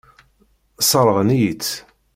Sseṛɣent-iyi-tt.